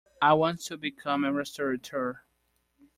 I want to become a Restaurateur.